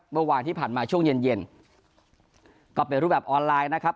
เมื่อวานที่ผ่านมาช่วงเย็นเย็นก็เป็นรูปแบบออนไลน์นะครับ